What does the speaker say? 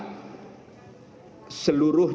di mana seluruhnya